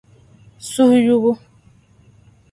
suhuyubu.